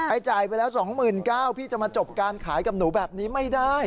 ไอ้จ่ายไปแล้ว๒หมื่นเก้าพี่จะมาจบการขายกับหนูแบบนี้ไม่ได้